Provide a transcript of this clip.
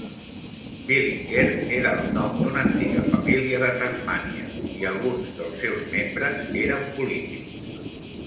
Pillinger era el nom d'una antiga família de Tasmània, i alguns dels seus membres eren polítics.